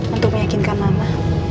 untuk meyakinkan mama